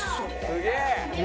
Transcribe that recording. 「すげえ！」